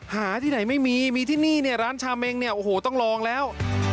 หาที่ไหนไม่มีมีที่นี่เนี่ยร้านชาเมงเนี่ยโอ้โหต้องลองแล้ว